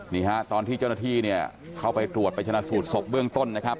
นี่ฮะตอนที่เจ้าหน้าที่เนี่ยเข้าไปตรวจไปชนะสูตรศพเบื้องต้นนะครับ